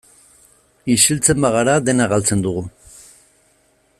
Isiltzen bagara dena galtzen dugu.